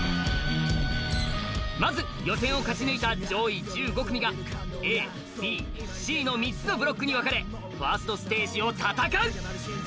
まず予選を勝ち抜いた上位１５組がＡ、Ｂ、Ｃの３つのブロックに分かれファーストステージを戦う。